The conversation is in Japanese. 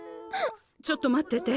ちょっとまってて。